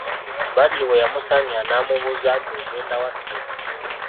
Badru we yamusangira n'amubuuza nti "ogenda wa ssebo?"